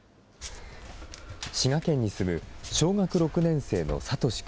滋賀県に住む小学６年生の智君。